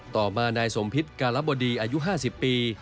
ต่อมานายสมพิษการบดีอายุ๕๐ปี